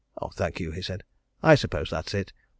"Thank you," he said. "I suppose that's it.